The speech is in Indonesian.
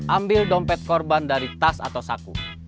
ambil dompet korban dari tas atau saku